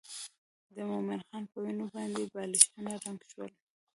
د مومن خان په وینو باندې بالښتونه رنګ شول.